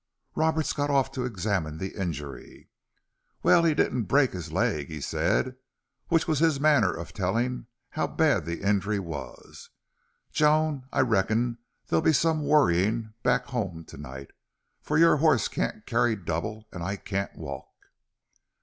Roberts got off to examine the injury. "Wal, he didn't break his leg," he said, which was his manner of telling how bad the injury was. "Joan, I reckon there'll be some worryin' back home tonight. For your horse can't carry double an' I can't walk."